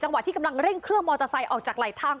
ที่กำลังเร่งเครื่องมอเตอร์ไซค์ออกจากไหลทาง